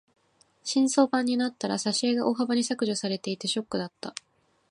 新装版になったら挿絵が大幅に削除されていてショックだった。